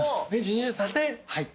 はい。